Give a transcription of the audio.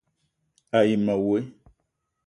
A yi ma woe :